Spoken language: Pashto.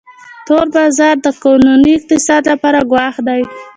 تور بازار د قانوني اقتصاد لپاره ګواښ دی